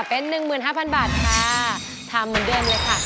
เป็น๑๕๐๐บาทค่ะทำเหมือนเดิมเลยค่ะ